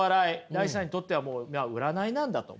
ダイさんにとってはもう占いなんだと。